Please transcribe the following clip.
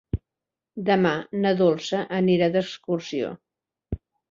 Demà na Dolça anirà d'excursió.